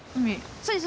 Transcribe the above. そうです。